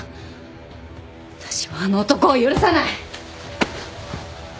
私はあの男を許さない。